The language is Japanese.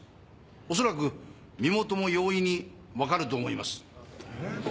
おそらく身元も容易にわかると思います。